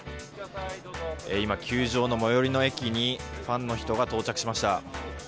今、球場の最寄りの駅にファンの人が到着しました。